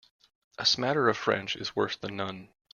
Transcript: A smatter of French is worse than none.